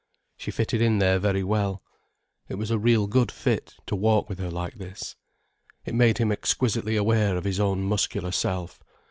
She fitted in there very well. It was a real good fit, to walk with her like this. It made him exquisitely aware of his own muscular self.